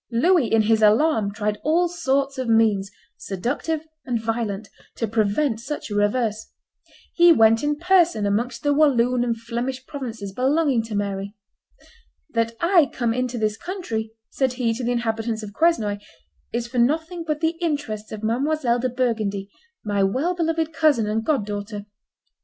Louis in his alarm tried all sorts of means, seductive and violent, to prevent such a reverse. He went in person amongst the Walloon and Flemish provinces belonging to Mary. "That I come into this country," said he to the inhabitants of Quesnoy, "is for nothing but the interests of Mdlle. de Burgundy, my well beloved cousin and god daughter.